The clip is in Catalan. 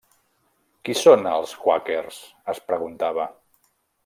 Qui són els quàquers, es preguntava.